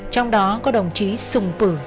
trong đó có đồng chí sùng pử